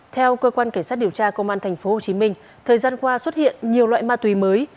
theo cơ quan cảnh sát điều tra công an tp hcm thời gian qua xuất hiện nhiều loại ma túy mới